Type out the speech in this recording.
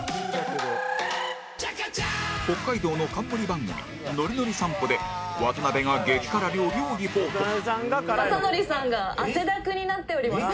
北海道の冠番組『のりのり散歩』で渡辺が激辛料理をリポート雅紀さんが汗だくになっております。